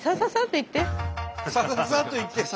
「サササっと行って」。